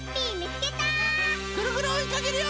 ぐるぐるおいかけるよ！